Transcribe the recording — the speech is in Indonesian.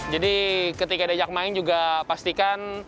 jadi ketika ada jak main juga pastikan